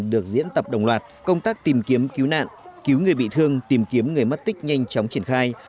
được diễn tập đồng loạt công tác tìm kiếm cứu nạn cứu người bị thương tìm kiếm người mất tích nhanh chóng triển khai